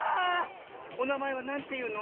おなまえはなんていうの？